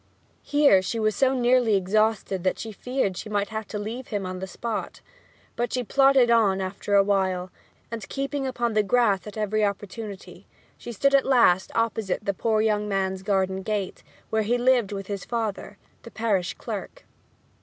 Here she was so nearly exhausted that she feared she might have to leave him on the spot. But she plodded on after a while, and keeping upon the grass at every opportunity she stood at last opposite the poor young man's garden gate, where he lived with his father, the parish clerk.